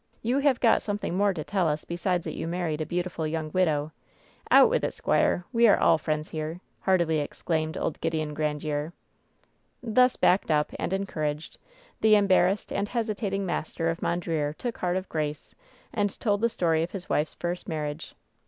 You have got something more to tell us besides that you married a beautiful young widow. Out with it, squire. We are all friends here," heartily exclaimed old Gideon Gran diere. Thus backed up and encouraged, the embarrassed and hesitating master of Mondreer took heart of grace, and told the story of his wife's first marriage.